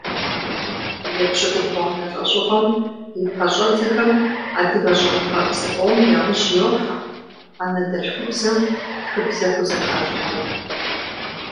Епщыкӏубгъуанэ лӏэщӏыгъуэм и пэщӏэдзэхэм адыгэ щӏэныгъэлӏ зыкъом яужь йохьэ анэдэльхубзэм тхыбзэ хузэхалъхьэну.